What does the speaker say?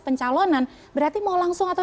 pencalonan berarti mau langsung atau